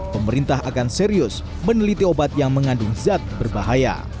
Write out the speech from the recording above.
pemerintah akan serius meneliti obat yang mengandung zat berbahaya